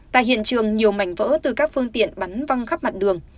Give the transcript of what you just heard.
tại hiện trường nhiều mảnh vỡ từ các phương tiện bắn văng khắp mặt đường